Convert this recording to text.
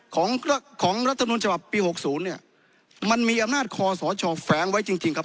ของของรัฐมนุนฉบับปี๖๐เนี่ยมันมีอำนาจคอสชแฝงไว้จริงจริงครับ